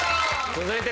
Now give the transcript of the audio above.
続いて。